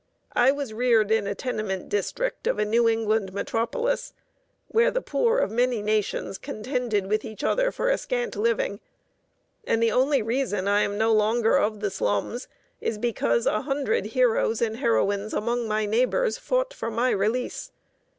I was reared in a tenement district of a New England metropolis, where the poor of many nations contended with each other for a scant living; and the only reason I am no longer of the slums is because a hundred heroes and heroines among my neighbors fought for my release.